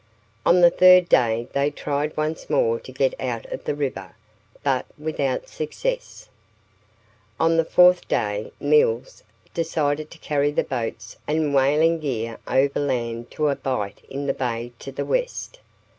On the third day they tried once more to get out of the river, but without success. On the fourth day Mills decided to carry the boats and whaling gear overland to a bight in the bay to the west.